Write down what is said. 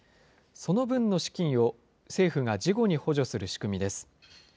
その分の資金を政府が事後に補助する仕組みです。